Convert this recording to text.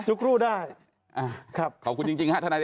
จุ๊กรู้อ่ะ